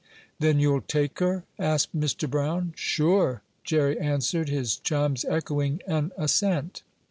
"Then you'll take her?" asked Mr. Brown. "Sure!" Jerry answered, his chums echoing an assent.